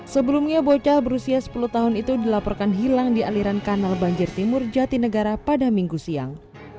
sebelumnya bocah berusia sepuluh tahun itu dilaporkan hilang di aliran kanal banjir timur jatinegara pada minggu siang